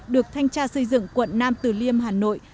được thanh tra xây dựng quận nam từ liêm hà nội